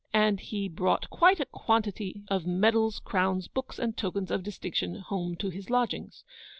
And he brought quite a quantity of medals, crowns, books, and tokens of distinction home to his lodgings.